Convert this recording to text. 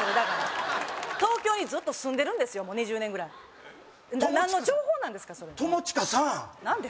それだから東京にずっと住んでるんです２０年何の情報なんですかそれ友近さん